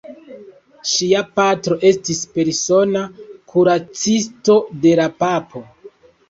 Ŝia patro estis persona kuracisto de la papo.